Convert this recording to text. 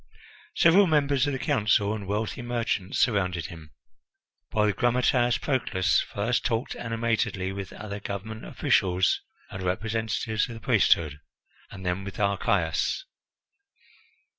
Several members of the Council and wealthy merchants surrounded him, while the grammateus Proclus first talked animatedly with other government officials and representatives of the priesthood, and then with Archias.